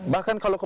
bahkan kalau ke